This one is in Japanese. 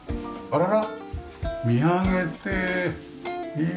あららら。